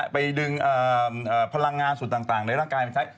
ไปดึงพลังงานส่วนต่างในร่างกายไปใช้